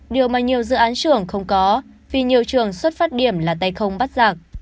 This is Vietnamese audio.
điều mà nhiều dự án trưởng không có vì nhiều trường xuất phát điểm là tay không bắt giạc